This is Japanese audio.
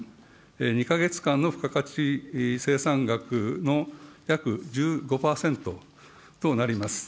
２か月間の付加価値生産額の約１５％となります。